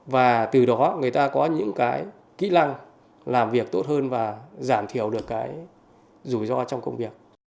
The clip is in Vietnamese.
và từ đó người ta có những cái kỹ năng làm việc tốt hơn và giảm thiểu được cái rủi ro trong công việc